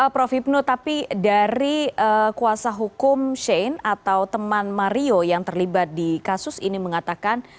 prof hipnu tapi dari kuasa hukum shane atau teman mario yang terlibat di kasus ini mengatakan